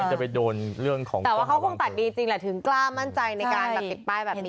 แต่ว่าเขาคงตัดดีจริงแหละถึงกล้ามั่นใจในการติดป้ายแบบนี้